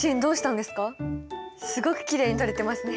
すごくきれいに撮れてますね。